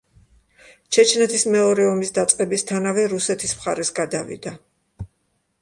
ჩეჩნეთის მეორე ომის დაწყებისთანავე რუსეთის მხარეს გადავიდა.